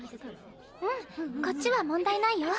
うんこっちは問題ないよ。